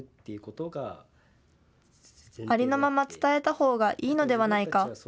ありのまま伝えたほうがいいのではないか。